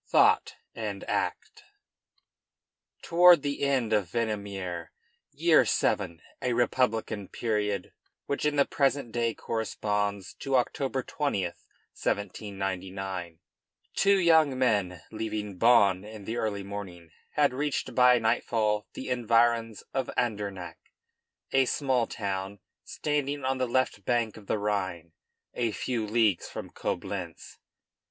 THOUGHT AND ACT Toward the end of Venemiaire, year VII., a republican period which in the present day corresponds to October 20, 1799, two young men, leaving Bonn in the early morning, had reached by nightfall the environs of Andernach, a small town standing on the left bank of the Rhine a few leagues from Coblentz.